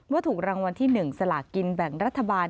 ถูกรางวัลที่๑สลากินแบ่งรัฐบาล